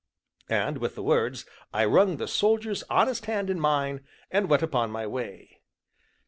And, with the words, I wrung the soldier's honest hand in mine, and went upon my way.